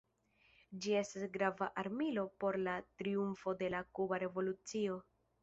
Ĝi estis grava armilo por la triumfo de la Kuba Revolucio.